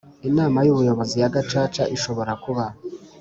Inama y ubuyobozi ya gacaca ishobora kuba